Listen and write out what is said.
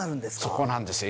そこなんですよ。